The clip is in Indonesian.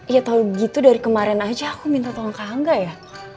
ya tau gitu dari kemarin aja aku minta tolong kangga ya